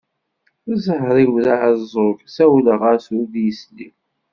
Zzher-iw d aɛeẓẓug, ssawleɣ-as, ur d-yesli.